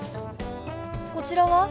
こちらは？